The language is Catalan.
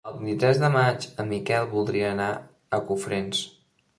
El vint-i-tres de maig en Miquel voldria anar a Cofrents.